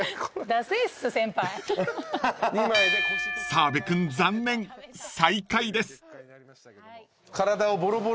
［澤部君残念最下位です］